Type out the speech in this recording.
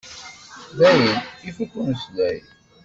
Dayen, ifukk umeslay.